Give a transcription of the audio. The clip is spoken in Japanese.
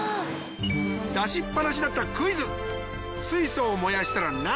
出しっぱなしだったクイズへぇ。